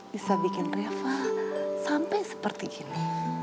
bisa bikin reva sampai seperti ini